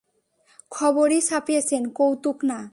খবরই ছাপিয়েন, কৌতুক না।